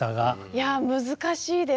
いや難しいですね。